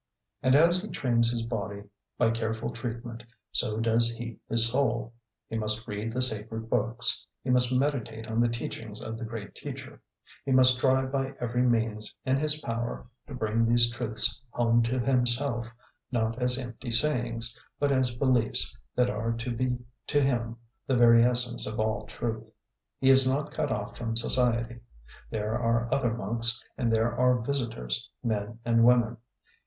And as he trains his body by careful treatment, so does he his soul. He must read the sacred books, he must meditate on the teachings of the great teacher, he must try by every means in his power to bring these truths home to himself, not as empty sayings, but as beliefs that are to be to him the very essence of all truth. He is not cut off from society. There are other monks, and there are visitors, men and women.